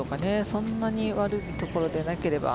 そんなに悪い所でなければ。